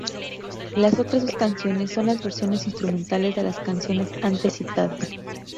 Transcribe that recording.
Las otras dos canciones, son las versiones instrumentales de las canciones antes citadas.